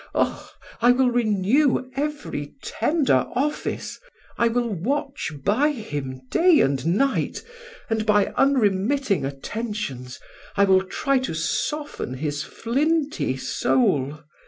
"Oh! I will renew every tender office I will watch by him day and night, and, by unremitting attentions, I will try to soften his flinty soul.